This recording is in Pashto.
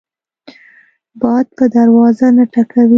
باد په دروازه نه ټکوي